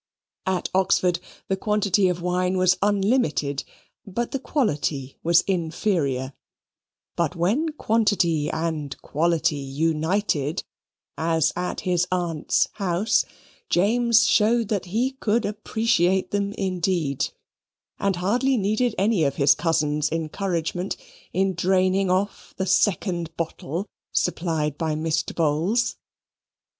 At Oxford, the quantity of wine was unlimited, but the quality was inferior: but when quantity and quality united as at his aunt's house, James showed that he could appreciate them indeed; and hardly needed any of his cousin's encouragement in draining off the second bottle supplied by Mr. Bowls.